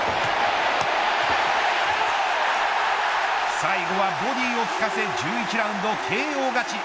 最後はボディーを効かせ１１ラウンドＫＯ勝ち。